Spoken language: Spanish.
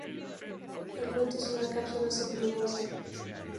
El fruto es una cápsula subglobosa.